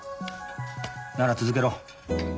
なら続けろ。